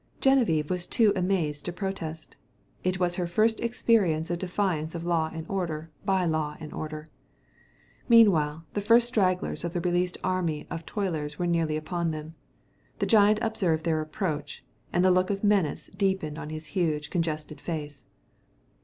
Geneviève was too amazed to protest. It was her first experience of defiance of Law and Order by Law and Order. Meanwhile, the first stragglers of the released army of toilers were nearly upon them. The giant observed their approach, and the look of menace deepened on his huge, congested face.